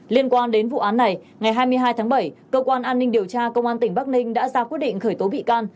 liên quan đến vụ án này ngày hai mươi hai tháng bảy cơ quan an ninh điều tra công an tỉnh bắc ninh đã ra quyết định khởi tố bị can